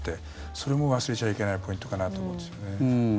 それも忘れちゃいけないポイントかなと思うんですよね。